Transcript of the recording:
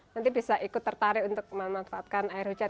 nanti bisa ikut tertarik untuk memanfaatkan air hujan